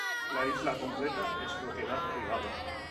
La isla completa es propiedad privada.